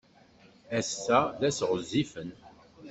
Ass-a d ass ɣezzifen.